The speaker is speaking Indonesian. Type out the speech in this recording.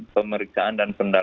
pemeriksaan dan pendarahan